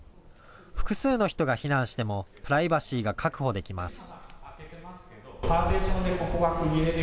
複数の人が避難してもプライバシーが確保できます。